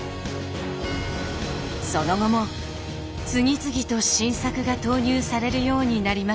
その後も次々と新作が投入されるようになりました。